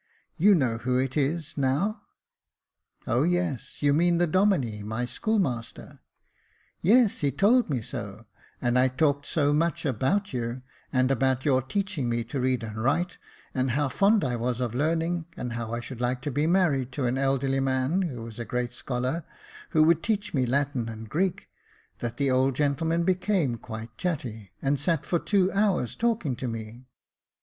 You know who it is now ?"*' O yes ! you mean the Domine, my schoolmaster." " Yes, he told me so ; and I talked so much about you, and about your teaching me to read and write, and how fond I was of learning, and how I should like to be married to an elderly man who was a great scholar, who would teach me Latin and Greek, that the old gentleman became quite chatty, and sat for two hours talking to me.